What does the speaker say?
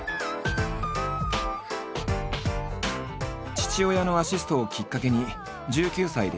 父親のアシストをきっかけに１９歳でＣＤデビュー。